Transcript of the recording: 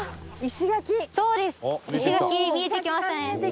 石垣見えてきましたね！